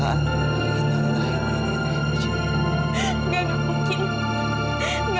tidak tidak tidak